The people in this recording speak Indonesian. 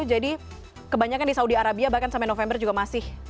jadi kebanyakan di saudi arabia bahkan sampai november juga masih